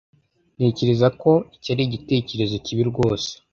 Ntekereza ko icyo ari igitekerezo kibi rwose.